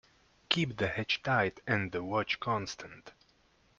Keep the hatch tight and the watch constant.